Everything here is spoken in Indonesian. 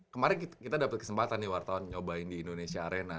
kemarin kita dapet kesempatan nih wartawan nyobain di indonesia arena